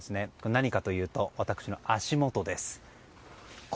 何かというと私の足元です。